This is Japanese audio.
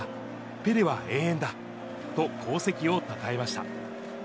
ペレは永遠だと、功績をたたえました。